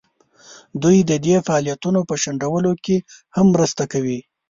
دوی د دې فعالیتونو په شنډولو کې هم مرسته کوي.